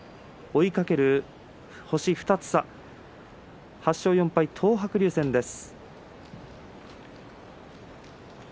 追いかける星２つの差８勝４敗、東白龍戦です。